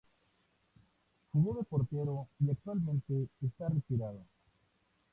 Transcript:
Jugó de portero y actualmente está retirado.